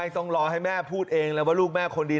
ต้องรอให้แม่พูดเองเลยว่าลูกแม่คนดี